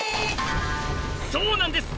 そうなんです！